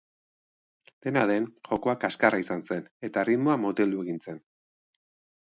Dena den, jokoa kaskarra izan zen eta erritmoa moteldu egin zen.